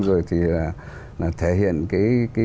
rồi thì là thể hiện cái